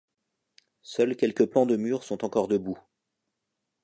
Seuls quelques pans de murs sont encore debout.